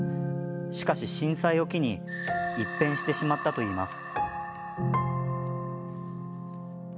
しかし、震災を機に一変してしまったといいます。